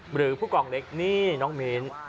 หรือผู้กองเล็กนี่น้องมิ้น